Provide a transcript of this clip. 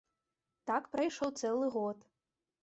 Так прайшоў цэлы год.